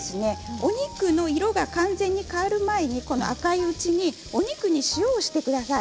お肉の色が完全に変わる前に赤いうちにお肉に塩をしてください。